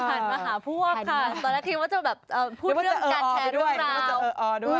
หันมาหาพวกค่ะตอนแรกคิดว่าจะแบบพูดเรื่องการแชร์เรื่องราว